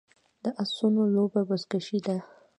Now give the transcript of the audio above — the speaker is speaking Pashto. د اسونو لوبه بزکشي ده